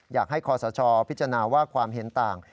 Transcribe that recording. คอสชพิจารณาว่าความเห็นต่าง